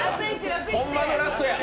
ホンマのラストや。